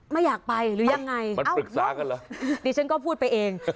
ไม่อยากไปหรือยังไงมันปรึกษากันเหรอดิฉันก็พูดไปเอง